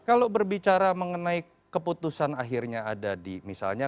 kalau berbicara mengenai keputusan akhirnya ada di misalnya